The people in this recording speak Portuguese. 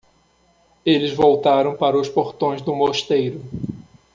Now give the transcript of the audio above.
Eles voltaram para os portões do mosteiro.